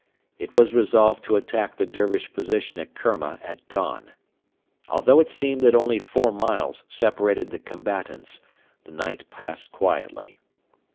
It was resolved to attack the Dervish position at Kerma at dawn. Although it seemed that only four miles separated the combatants, the night passed quietly.